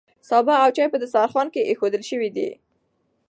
سابه او چای په دسترخوان کې ایښودل شوي دي.